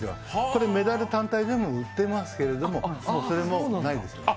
これ、メダル単体でも売ってますけど、それもないですから。